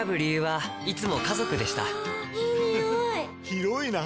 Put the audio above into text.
広いな！